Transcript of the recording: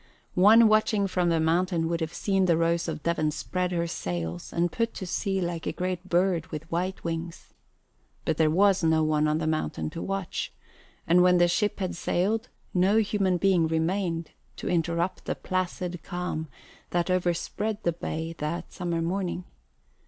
One watching from the mountain would have seen the Rose of Devon spread her sails and put to sea like a great bird with white wings. But there was no one on the mountain to watch, and when the ship had sailed, no human being remained to interrupt the placid calm that overspread the bay that summer morning.